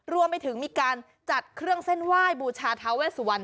รวมไปถึงมีการจัดเครื่องเส้นไหว้บูชาทาเวสวัน